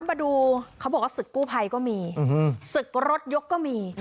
เขาบอกว่าศึกกู้ไพรก็มีศึกรถยกก็มี